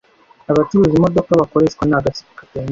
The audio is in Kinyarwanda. Abacuruza imodoka bakoreshwa ni agatsiko katemewe.